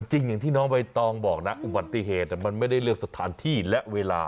อย่างที่น้องใบตองบอกนะอุบัติเหตุมันไม่ได้เลือกสถานที่และเวลา